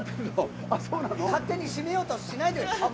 勝手に締めようとしないで！